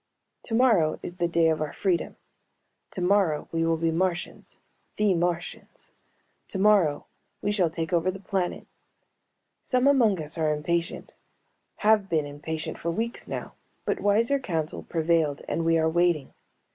Tomorrow is the day of our freedom. Tomorrow we will be Martians, the Martians. Tomorrow we shall take over the planet. Some among us are impatient, have been impatient for weeks now, but wiser counsel prevailed and we are waiting.